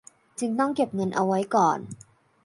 จึงต้องเก็บเงินเอาไว้ก่อน